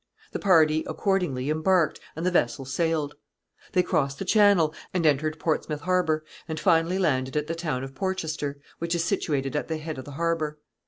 The party accordingly embarked, and the vessel sailed. They crossed the Channel, and entered Portsmouth harbor, and finally landed at the town of Porchester, which is situated at the head of the harbor.